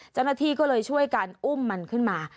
เจ้าหน้าที่ก็เลยช่วยกันอุ้มมันขึ้นมา